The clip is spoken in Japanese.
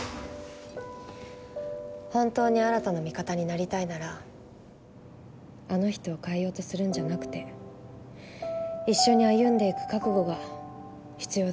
本当に新の味方になりたいならあの人を変えようとするんじゃなくて一緒に歩んでいく覚悟が必要だと思うけど。